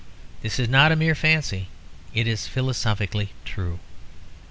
This is not a mere fancy; it is philosophically true.